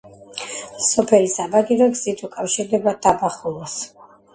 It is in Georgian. სოფელი საბაგირო გზით უკავშირდება დაბა ხულოს.